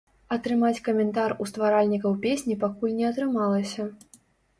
Атрымаць каментар у стваральнікаў песні пакуль не атрымалася.